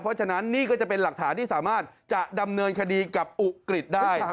เพราะฉะนั้นนี่ก็จะเป็นหลักฐานที่สามารถจะดำเนินคดีกับอุกฤษได้ครับ